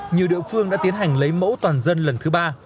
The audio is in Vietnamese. nhiều địa phương đã tiến hành lấy mẫu toàn dân lần thứ ba